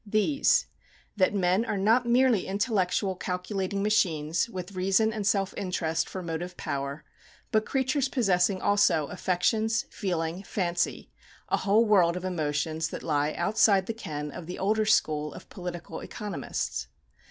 These: that men are not merely intellectual calculating machines, with reason and self interest for motive power, but creatures possessing also affections, feelings, fancy a whole world of emotions that lie outside the ken of the older school of political economists.